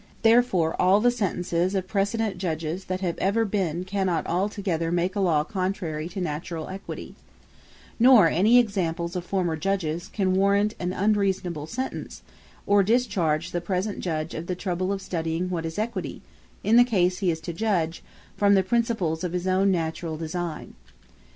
Therefore all the Sentences of precedent Judges that have ever been, cannot all together make a Law contrary to naturall Equity: Nor any Examples of former Judges, can warrant an unreasonable Sentence, or discharge the present Judge of the trouble of studying what is Equity (in the case he is to Judge,) from the principles of his own naturall reason.